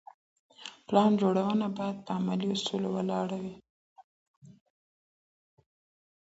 پلان جوړونه بايد په علمي اصولو ولاړه وي.